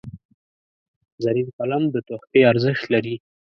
زرین قلم د تحفې ارزښت لري.